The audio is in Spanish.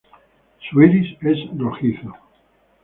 Su iris es rojizo.